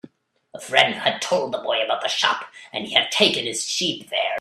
A friend had told the boy about the shop, and he had taken his sheep there.